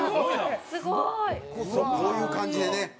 すごい！こういう感じでね。